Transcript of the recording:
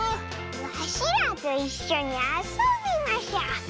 わしらといっしょにあそびましょう！